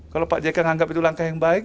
kalau pak jk menganggap itu langkah yang baik